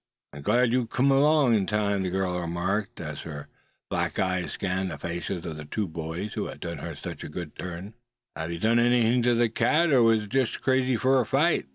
"I'm right glad you kim along in time," the girl remarked, as her black eyes scanned the faces of the two boys who had done her such a good turn. "Had you done anything to the cat; or was it just crazy for a fight?"